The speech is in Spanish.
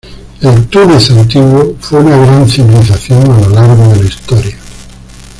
El Túnez antiguo fue una gran civilización a lo largo de la historia.